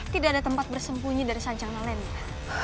tidak ada tempat bersembunyi dari sancang nalendra